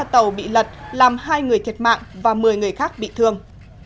sáu tòa tàu bị lật làm hai người thiệt mạng và một mươi người khác bị thương